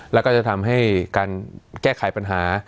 แล้วก็จะทำให้การแก้ไขปัญหา